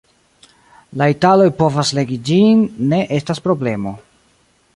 La italoj povas legi ĝin; ne estas problemo.